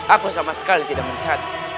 aku sama sekali tidak melihat